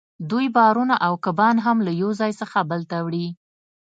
دوی بارونه او کبان هم له یو ځای څخه بل ته وړي